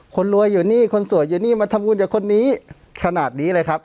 คนรวยอยู่นี่คนสวยอยู่นี่มาทำบุญกับคนนี้ขนาดนี้เลยครับ